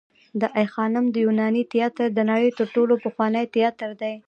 د آی خانم د یوناني تیاتر د نړۍ تر ټولو پخوانی تیاتر دی